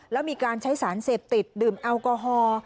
แล้วมีการใช้สารเสพติดดื่มแอลกอฮอล์